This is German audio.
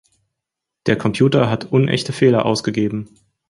Der Computer hat unechte Fehler ausgegeben.